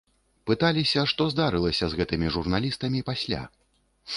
Пыталіся, што здарылася з гэтымі журналістамі пасля.